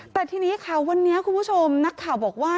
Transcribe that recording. แต่ทีนี้ค่ะวันนี้คุณผู้ชมนักข่าวบอกว่า